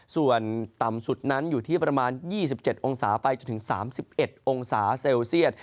ส่วนต่ำสุดนั้นอยู่ที่ประมาณ๒๗องศาไปจนถึง๓๑องศาเซลเซียต